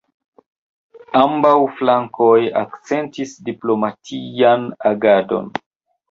Ambaŭ flankoj akcentis diplomatian agadon.